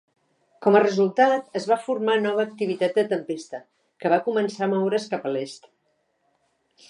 Com a resultat, es va formar nova activitat de tempesta, que va començar a moure's cap a l'est.